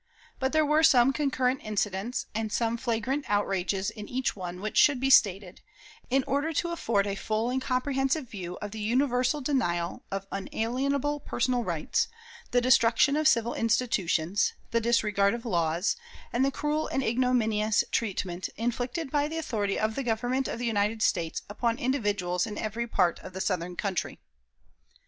But there were some concurrent incidents and some flagrant outrages in each one which should be stated, in order to afford a full and comprehensive view of the universal denial of unalienable personal rights, the destruction of civil institutions, the disregard of laws, and the cruel and ignominious treatment, inflicted by the authority of the Government of the United States upon individuals in every part of the Southern country.